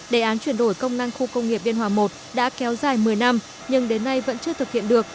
đề án chuyển đổi công năng khu công nghiệp biên hòa i đã kéo dài một mươi năm nhưng đến nay vẫn chưa thực hiện được